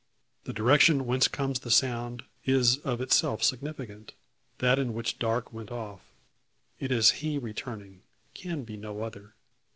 The direction whence comes the sound, is of itself significant; that in which Darke went off. It is he returning can be no other.